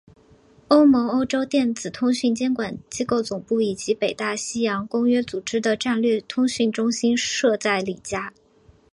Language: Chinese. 欧盟欧洲电子通讯监管机构总部以及北大西洋公约组织的战略通讯中心设在里加。